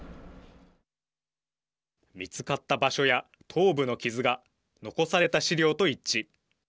見つかった場所や頭部の傷が残された資料と一致。